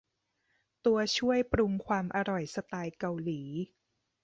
ตัวช่วยปรุงความอร่อยสไตล์เกาหลี